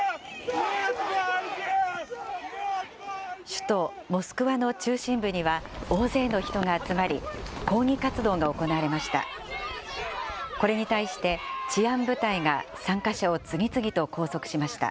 首都モスクワの中心部には、大勢の人が集まり、抗議活動が行われました。